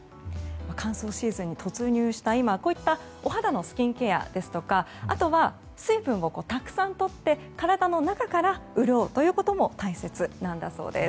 乾燥シーズンに突入した今お肌のスキンケアですとかあとは、水分をたくさんとって体の中から潤うということも大切なんだそうです。